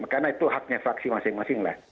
karena itu haknya fraksi masing masing lah